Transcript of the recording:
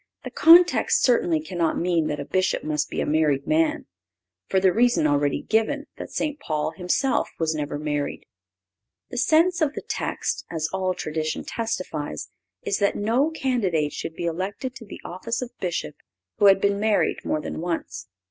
(534) The context certainly cannot mean that a Bishop must be a married man, for the reason already given, that St. Paul himself was never married. The sense of the text, as all tradition testifies, is that no candidate should be elected to the office of Bishop who had been married more than once.